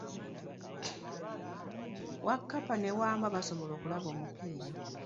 Wakkapa ne Wambwa basobola okulaba omupiira.